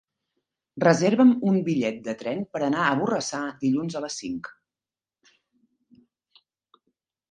Reserva'm un bitllet de tren per anar a Borrassà dilluns a les cinc.